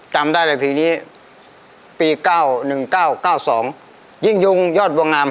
จำงานได้เลยเพียงนี้ปีเมื่อ๔๒๙๖ยิ่งยุงยอดวงาม